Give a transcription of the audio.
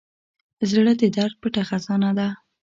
زړه د درد پټه خزانه ده.